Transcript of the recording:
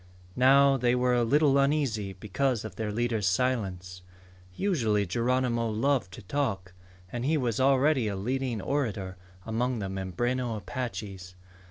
Now they were a little uneasy because of their leader's silence. Usually Geronimo loved to talk, and he was already a leading orator among the Mimbreno Apaches.